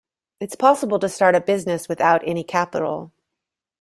It's possible to start a business without any capital.